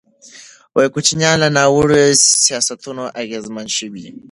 کوچیان له ناوړه سیاستونو اغېزمن شوي دي.